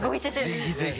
ぜひぜひ。